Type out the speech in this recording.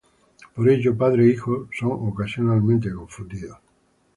Por ello, padre e hijo son ocasionalmente confundidos.